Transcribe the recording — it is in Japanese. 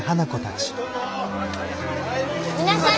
皆さん！